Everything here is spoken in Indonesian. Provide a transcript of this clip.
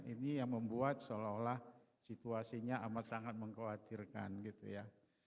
ini yang membuat seolah olah situasinya amat sangat mengkhawatirkan gitu ya